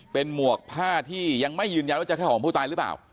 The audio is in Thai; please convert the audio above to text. เป็นหมวกผ้าที่ยังไม่ยืนยันว่าจะแค่ของผู้ตายหรือเปล่า